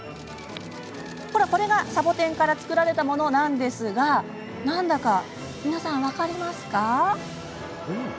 ほら、これがサボテンから作られたものなんですが何だか分かりますか？